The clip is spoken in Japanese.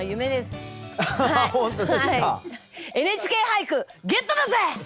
「ＮＨＫ俳句」ゲットだぜ！